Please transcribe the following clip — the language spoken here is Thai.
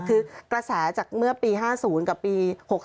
คือกระแสจากเมื่อปี๕๐กับปี๖๓